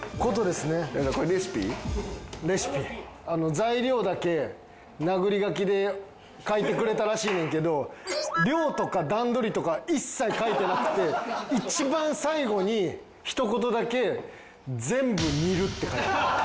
材料だけ殴り書きで書いてくれたらしいねんけど量とか段取りとかは一切書いてなくて一番最後にひと言だけ「全部煮る」って書いてある。